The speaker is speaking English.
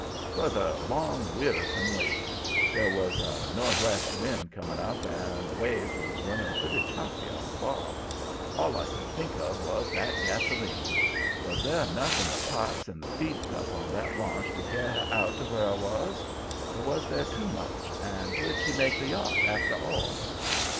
"'Twas a long, wearisome wait. There was a no'thwest wind coming up, and the waves were running pretty choppy on the bar. All I could think of was that gasoline. Was there enough in the pipes and the feed cup on that launch to carry her out to where I was? Or was there too much, and would she make the yacht, after all?